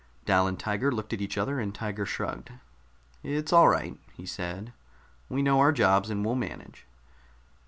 Dal and Tiger looked at each other, and Tiger shrugged. "It's all right," he said. "We know our jobs, and we'll manage."